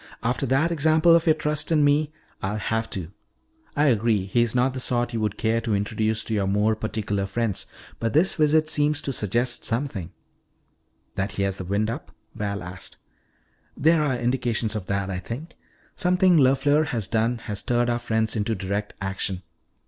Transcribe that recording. "After that example of your trust in me, I'll have to. I agree, he is not the sort you would care to introduce to your more particular friends. But this visit seems to suggest something " "That he has the wind up?" Val asked. "There are indications of that, I think. Something LeFleur has done has stirred our friends into direct action.